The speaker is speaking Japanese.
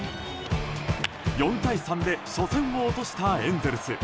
４対３で初戦を落としたエンゼルス。